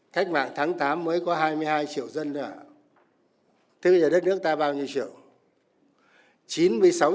cách mạng tháng tám mới có hai mươi hai triệu dân nữa thế bây giờ đất nước ta bao nhiêu triệu